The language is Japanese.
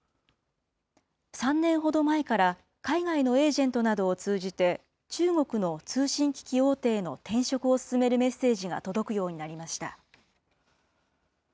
３年ほど前から、海外のエージェントなどを通じて、中国の通信機器大手への転職を勧めるメッセージが届くようになりました。